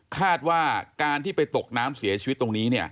คาดว่าการที่ไปตกน้ำเสียชีวิตตรงนี้